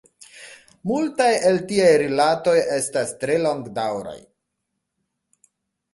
Multaj el tiaj rilatoj estas tre longdaŭraj.